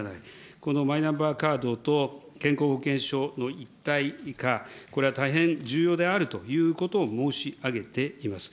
このマイナンバーカードと健康保険証の一体化、これは大変重要であるということを申し上げています。